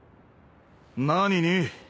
何に？